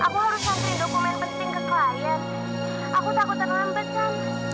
aku harus antri dokumen penting ke klien aku takut terlambet san